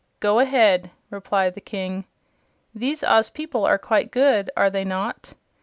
"Go ahead," replied the King. "These Oz people are quite good, are they not?"